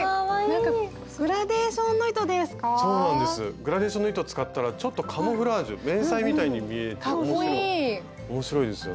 グラデーションの糸使ったらちょっとカムフラージュ迷彩みたいに見えて面白いですよね。